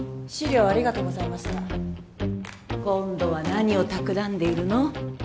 資料ありがとうございました今度は何をたくらんでいるの？